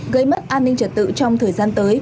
gây mất an ninh trật tự trong thời gian tới